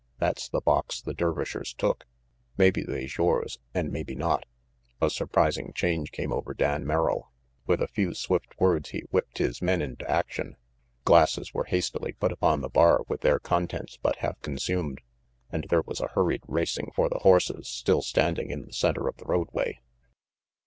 That's the box the Dervishers took. Mabbe they's yores, an' mabbe not." A surprising change came over Dan Merrill. With a few swift words he whipped his men into action. Glasses were hastily put upon the bar with their contents but half consumed, and there was a hurried racing for the horses still standing in the center of the roadway.